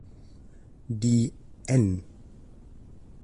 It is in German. Die "n".